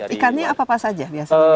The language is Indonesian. ikannya apa saja